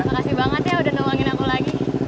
makasih banget ya udah nuangin aku lagi